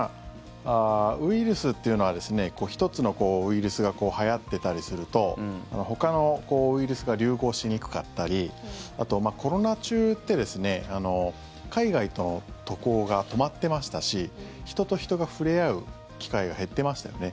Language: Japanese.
ウイルスっていうのは１つのウイルスがはやってたりするとほかのウイルスが流行しにくかったりあとコロナ中って海外との渡航が止まってましたし人と人が触れ合う機会が減ってましたよね。